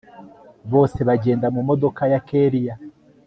bose bagenda mumodoka ya kellia